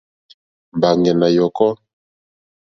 Mbàŋɡɛ̀ nà yɔ̀kɔ́.